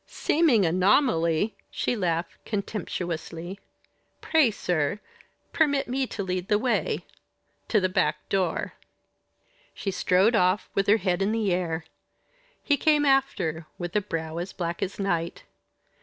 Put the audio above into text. "Seeming anomaly!" She laughed contemptuously. "Pray, sir, permit me to lead the way to the back door." She strode off, with her head in the air; he came after, with a brow as black as night.